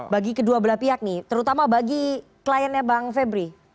bagi kedua belah pihak nih terutama bagi kliennya bang febri